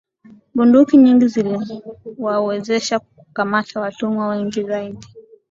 Bunduki nyingi ziliwawezesha kukamata watumwa wengi zaidi